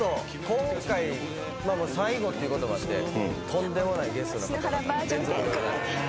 今回最後っていうこともあってとんでもないゲストの方々が。